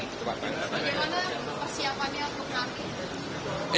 bagaimana persiapannya untuk nanti